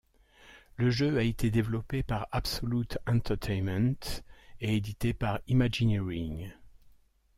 Le jeu a été développé par Absolute Entertainment et édité par Imagineering.